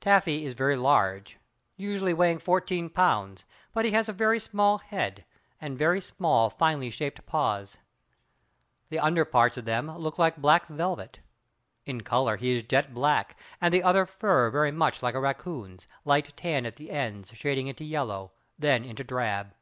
Taffy is very large, usually weighing fourteen pounds, but he has a very small head, and very small, finely shaped paws. The under parts of them look like black velvet. In color he is jet black and the other fur very much like a raccoon's, light tan at the ends shading into yellow, then into drab.